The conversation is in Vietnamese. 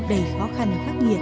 đầy khó khăn khắc nghiệt